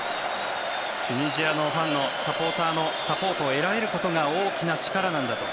チュニジアのサポーターのサポートを得られることが大きな力なんだと。